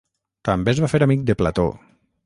També es va fer amic de Plató.